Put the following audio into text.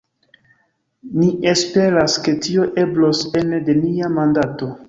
Ni esperas ke tio eblos ene de nia mandato.